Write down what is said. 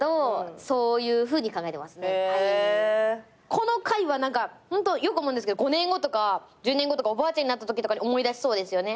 この回はホントよく思うんですけど５年後とか１０年後とかおばあちゃんになったときとかに思い出しそうですよね。